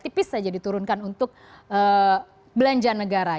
tipis saja diturunkan untuk belanja negara